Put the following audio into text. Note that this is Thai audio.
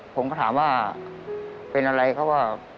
ผมก็ถามว่าเป็นอะไรก็ว่า